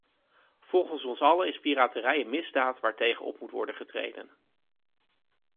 Volgens ons allen is piraterij een misdaad waar tegen op moet worden getreden.